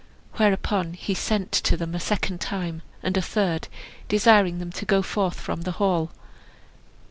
Whereupon he sent to them a second time, and a third, desiring them to go forth from the hall.